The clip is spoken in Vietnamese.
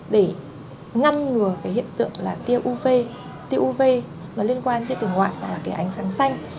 để ngăn ngừa hiện tượng là tia uv tia uv liên quan tia tường ngoại hoặc là ánh sáng xanh